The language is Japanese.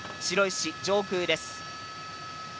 白石上空です。